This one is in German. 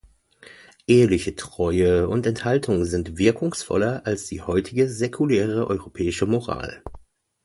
Eheliche Treue und Enthaltung sind wirkungsvoller als die heutige säkulare europäische Moral!